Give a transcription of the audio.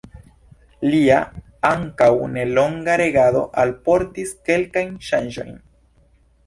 Lia ankaŭ nelonga regado alportis kelkajn ŝanĝojn.